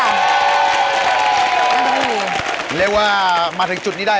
เรียกว่ามาถึงจุดนี้ได้